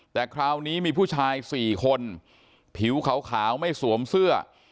แต่คราวนี้มีผู้ชาย๔คนผิวขาวไม่สวมเสื้อ